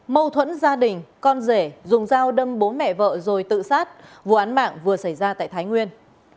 mâu thuẫn gia đình con rể dùng dao đâm bố mẹ vợ rồi tự sát vụ án mạng vừa xảy ra tại thái nguyên